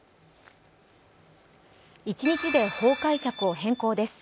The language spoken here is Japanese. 一日で法解釈を変更です。